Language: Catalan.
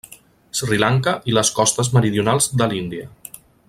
Sri Lanka i les costes meridionals de l'Índia.